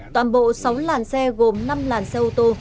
toàn bộ sáu làn xe gồm năm làn xe ô tô